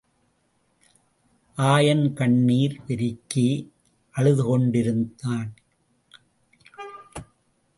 ஆயன் கண்ணிர் பெருக்கி அழுதுகொண்டிருந்தான்.